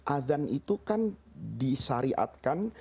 azan itu kan disyariatkan